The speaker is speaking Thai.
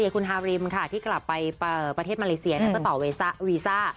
คุณฮาริมค่ะที่กลับไปประเทศมาเลเซียแล้วก็ต่อวีซ่า